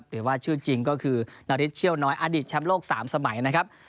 หรือว่าชื่อจริงก็คือนาริสเชี่ยวน้อยอดีตแชมป์โลก๓สมัยนะครับ